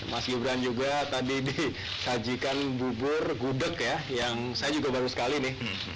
mas gibran juga tadi disajikan bubur gudeg ya yang saya juga baru sekali nih